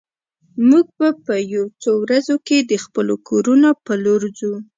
موږ به په څو ورځو کې د خپلو کورونو په لور ځو